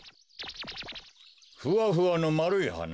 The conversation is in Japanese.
ふわふわのまるいはな？